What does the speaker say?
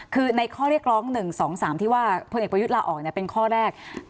คือในข้อเรียกร้อง๑๒๓ที่ว่าพลเอกประยุทธ์ลาออกเป็นข้อแรก